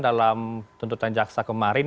dalam tuntutan jaksa kemarin